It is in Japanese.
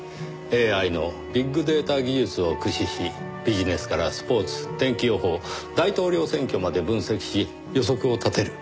ＡＩのビッグデータ技術を駆使しビジネスからスポーツ天気予報大統領選挙まで分析し予測を立てる。